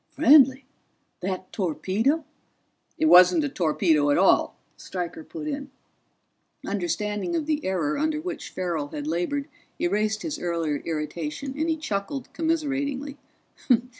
"Friendly? That torpedo " "It wasn't a torpedo at all," Stryker put in. Understanding of the error under which Farrell had labored erased his earlier irritation, and he chuckled commiseratingly.